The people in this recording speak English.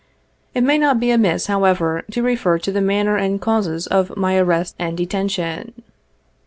It may not be amiss, however, to refer to the manner and causes of my arrest and detention.